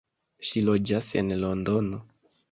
Ŝi loĝas en Londono.